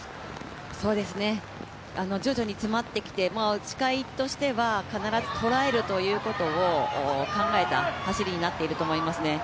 徐々に詰まってきて、誓いとしては必ずとらえるということを捉えた走りとなっていますね。